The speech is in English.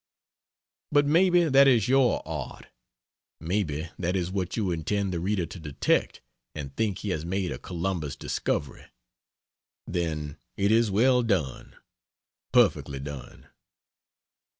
But maybe that is your art. Maybe that is what you intend the reader to detect and think he has made a Columbus discovery. Then it is well done, perfectly done.